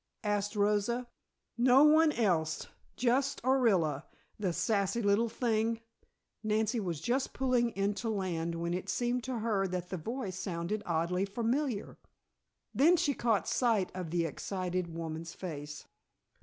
asked Rosa. "No one else. Just Orilla. The sassy little thing " Nancy was just pulling in to land when it seemed to her that the voice sounded oddly familiar. Then she caught sight of the excited woman's face.